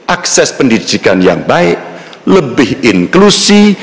akses pendidikan yang baik lebih inklusi